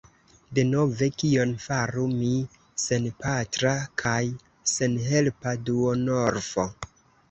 Denove kion faru mi, senpatra kaj senhelpa duonorfo?